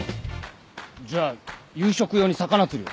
じゃあ夕食用に魚釣りを。